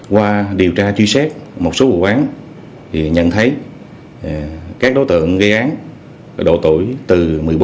qua điều tra truy xét một số vụ án thì nhận thấy các đối tượng gây án độ tuổi từ một mươi bốn một mươi tám